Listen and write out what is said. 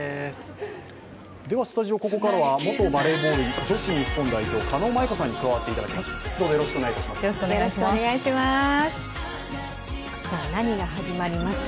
スタジオ、ここからは元バレーボール女子日本代表、狩野舞子さんに加わっていただきます。